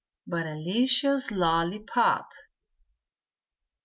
But a licious lolly pop!